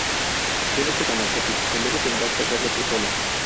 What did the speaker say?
Quédate con la copla que luego tendrás que hacerlo tu solo